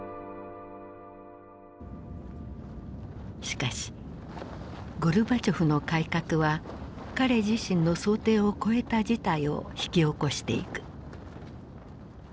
しかしゴルバチョフの改革は彼自身の想定を超えた事態を引き起こしていく。